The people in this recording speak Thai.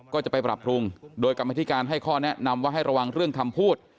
ก็จะไปปรับปรุงโดยกรรมธิการให้ข้อแนะนำว่าให้ระวังเรื่องคำพูด